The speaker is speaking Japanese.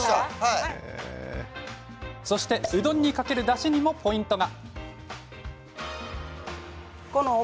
そして、うどんにかけるだしにもポイントが。